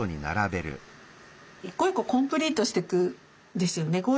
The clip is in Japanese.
一個一個コンプリートしてくんですよね。